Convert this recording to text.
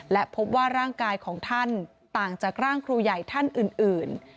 และพบว่าร่างกายของท่านต่างจากร่างครูใหญ่ท่านอื่น